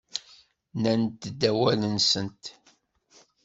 Nnant-d awal-nsent.